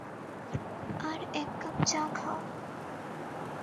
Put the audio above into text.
আর এক কাপ চা খাও।